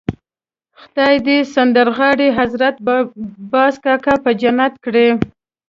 خدای دې سندرغاړی حضرت باز کاکا په جنت کړي.